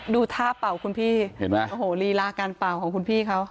ดูท่าเป่าคุณพี่เห็นไหมโอ้โหลีลาการเป่าของคุณพี่เขา